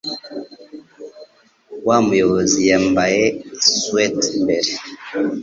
Wa muyobizi yambaye swater imbere.